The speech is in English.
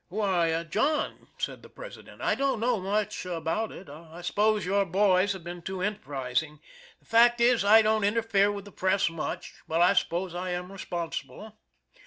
"Why, John," said the President, "I don't know much about it. I suppose your boys have been too enterprizing. The fact is, I don't interfere with the press much, but I suppose I am responsible."